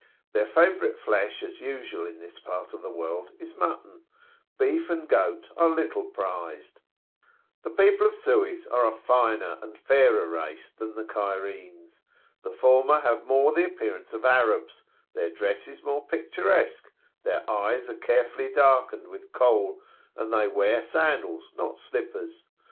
Their favourite flesh, as usual in this part of the world, is mutton; beef and goat are little prized.[FN#37]" The people of Suez are a finer and fairer race than the Cairenes. The former have more the appearance of Arabs: their dress is more picturesque, their eyes are carefully darkened with Kohl, and they wear sandals, not slippers.